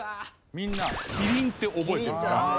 みんな麒麟って覚えてるから。